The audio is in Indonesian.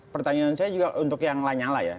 pertanyaan saya juga untuk yang lanyala ya